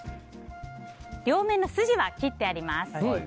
両面の筋は切ってあります。